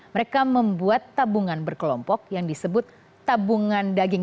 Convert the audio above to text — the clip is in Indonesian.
mereka membuat tabungan berkelompok yang disebut tabungan daging